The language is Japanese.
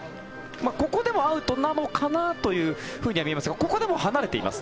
ここでもアウトなのかなというふうには見えますがここでも離れています。